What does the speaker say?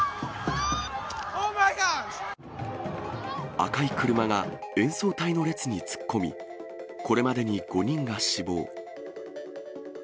赤い車が演奏隊の列に突っ込み、これまでに５人が死亡。